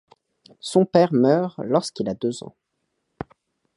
Son père meurt lorsqu'il a deux ans.